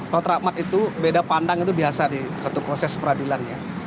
sholat rahmat itu beda pandang itu biasa di satu proses peradilan ya